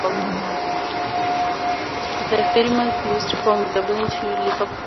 A ferry must be used from Dublin to Liverpool.